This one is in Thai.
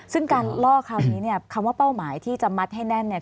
ซึ่งการล่อคราวนี้เนี่ยคำว่าเป้าหมายที่จะมัดให้แน่นเนี่ย